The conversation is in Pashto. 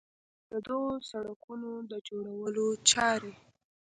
د دغو سړکونو د جوړولو چارې